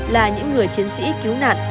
là những người chiến sĩ cứu nạn